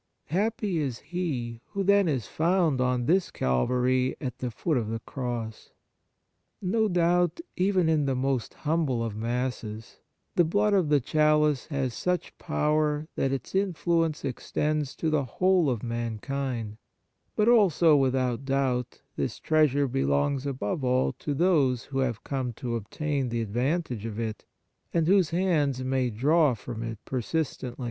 Happy is he who then is found on this Calvary at the foot of the Cross ! No doubt, even in the most humble of Masses, the Blood of the chalice has such power that its influence extends to the whole of mankind ; but also, without doubt, this treasure belongs above all to those who have come to obtain the advantage of it, and whose hands may draw from it persistently.